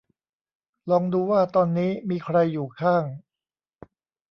ลองดูว่าตอนนี้มีใครอยู่ข้าง